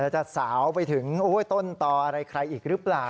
จะสาวไปถึงต้นต่อใครอีกรึเปล่า